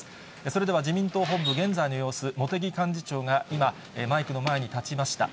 それでは、自民党本部、現在の様子、茂木幹事長が今、マイクの前に立ちました。